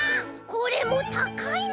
これもたかいね！